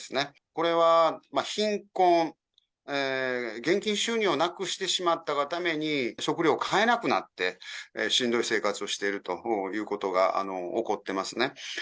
これは貧困、現金収入をなくしてしまったがために、食料を買えなくなって、しんどい生活をしているということが起こってますね。